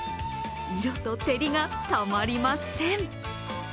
色と照りがたまりません。